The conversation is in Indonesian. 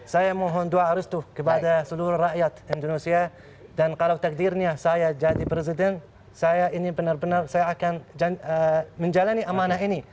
saya mohon doa restu kepada seluruh rakyat indonesia dan kalau takdirnya saya jadi presiden saya ini benar benar saya akan menjalani amanah ini